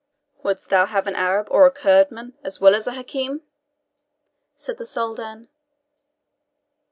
"Wouldst thou have an Arab or a Kurdman as wise as a Hakim?" said the Soldan.